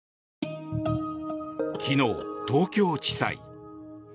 昨日、東京地裁。